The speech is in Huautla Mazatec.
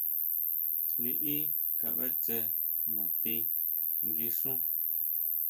Liʼí kabʼe tse natí guixún.